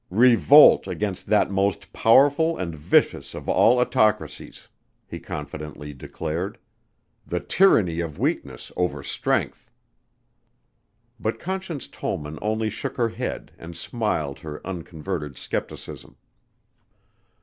"Revolt against that most powerful and vicious of all autocracies," he confidently declared, "the tyranny of weakness over strength!" But Conscience Tollman only shook her head and smiled her unconverted scepticism.